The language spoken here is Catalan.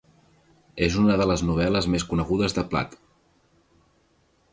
És una de les novel·les més conegudes de Plath.